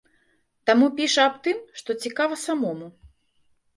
Таму піша аб тым, што цікава самому.